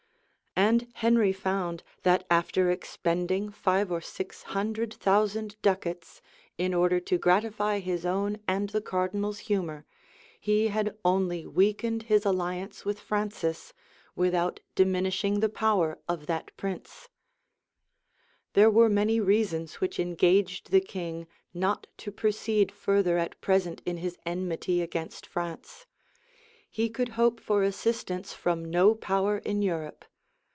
And Henry found, that after expending five or six hundred thousand ducats, in order to gratify his own and the cardinal's humor, he had only weakened his alliance with Francis, without diminishing the power of that prince. * Polyd. Virg. lib. xxvii. Petrus de Angleria, epist. 568. There were many reasons which engaged the king not to proceed further at present in his enmity against France: he could hope for assistance from no power in Europe.